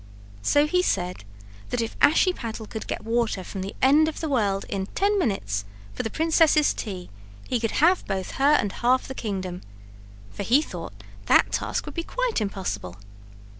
So he said that if Ashiepattle could get water from the end of the world in ten minutes for the princess's tea, he could have both her and half the kingdom; for he thought that task would be quite impossible.